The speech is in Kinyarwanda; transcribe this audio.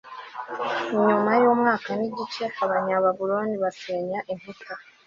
Nyuma y umwaka n igice Abanyababuloni basenye inkuta